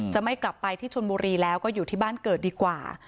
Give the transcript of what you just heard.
จะไม่กลับไปที่ชนบุรีแล้วก็อยู่ที่บ้านเกิดดีกว่า